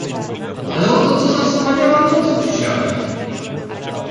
"Ale oto co za wspaniała noc dzisiaj!"